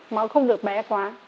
mà nó không được bé quá